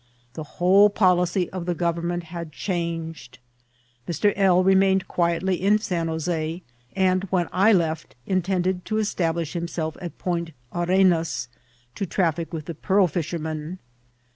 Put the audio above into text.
The whole policy of the government wss chsnged. Mr. L. remsined quiet ly in Seu Jo86, End when I left intended to estEhlish himself Et Pont Arenas, to traffic with the peari fi^er^ men.